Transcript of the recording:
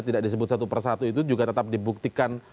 tidak disebut satu persatu itu juga tetap dibuktikan